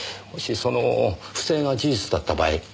もしその不正が事実だった場合